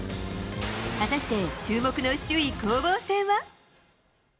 果たして注目の首位攻防戦は？